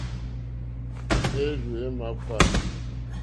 Érzù é màkpá.